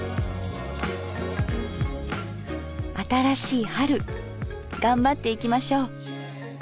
新しい春頑張っていきましょう。